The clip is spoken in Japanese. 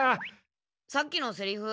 さっきのセリフ